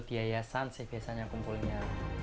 diayasan sih biasanya kumpulnya